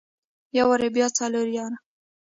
يو واري بيا څلور ياره.